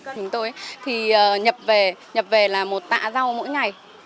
chúng tôi thì nhập về nhập về là một tạ rau mỗi ngày